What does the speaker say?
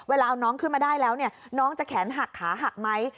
เวลาเอาน้องขึ้นมาได้แล้วเนี่ยน้องจะแขนหักขาหักไหม